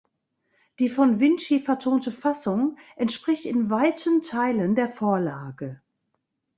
Die von Vinci vertonte Fassung entspricht in weiten Teilen der Vorlage.